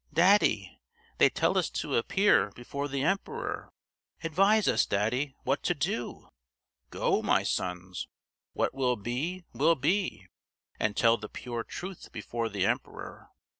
"Daddy! they tell us to appear before the emperor. Advise us, daddy, what to do!" "Go, my sons what will be, will be; and tell the pure truth before the emperor."